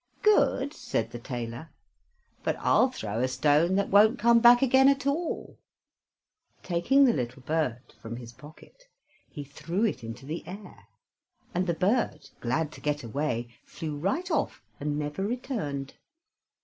"Good!" said the tailor; "but I'll throw a stone that won't come back again at all." Taking the little bird from his pocket, he threw it into the air, and the bird, glad to get away, flew right off and never returned.